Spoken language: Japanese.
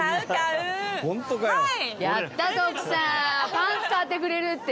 パンツ買ってくれるって。